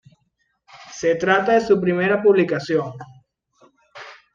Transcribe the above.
Se trata de su primera publicación.